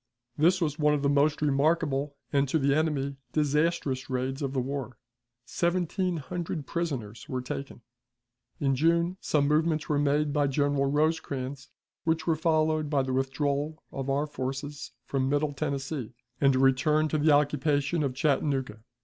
This was one of the most remarkable, and, to the enemy, disastrous raids of the war. Seventeen hundred prisoners were taken. In June some movements were made by General Rosecrans, which were followed by the withdrawal of our forces from Middle Tennessee, and a return to the occupation of Chattanooga.